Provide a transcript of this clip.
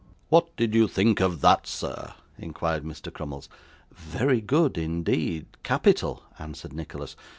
'What did you think of that, sir?' inquired Mr. Crummles. 'Very good, indeed capital,' answered Nicholas.